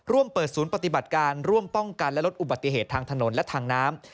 ร่วมเปิดศูนย์ปฏิบัติการร่วมป้องกันและลดอุบัติเหตุทางถนนและทางน้ำ